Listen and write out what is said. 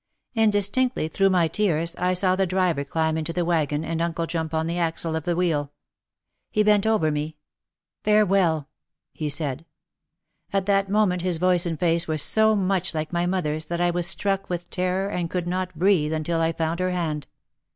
Indistinctly, through my tears, I saw the driver climb into the wagon and uncle jump on the axle of the wheel. He bent over me. "Farewell !" he said. At that moment his voice and face were so much like my mother's that I was struck with terror and could not breathe until I found her hand.